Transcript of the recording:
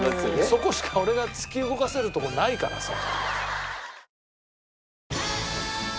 そこしか俺が突き動かせるとこないからさ。